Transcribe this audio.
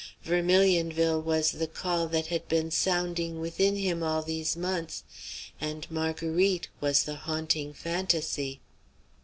Vermilionville was the call that had been sounding within him all these months, and Marguerite was the haunting fantasy.